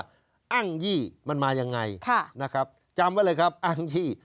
อ้างยี่มันมายังไงนะครับจำไว้เลยครับอ้างยี่